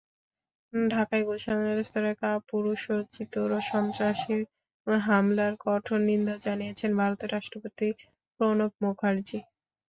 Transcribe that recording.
ঢাকায় গুলশানের রেস্তোরাঁয় কাপুরুষোচিত সন্ত্রাসী হামলার কঠোর নিন্দা জানিয়েছেন ভারতের রাষ্ট্রপতি প্রণব মুখার্জি।